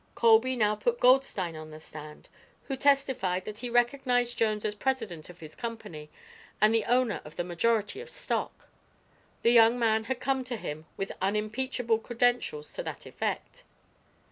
Colby now put Goldstein on the stand, who testified that he recognized Jones as president of his company and the owner of the majority of stock. The young man had come to him with unimpeachable credentials to that effect.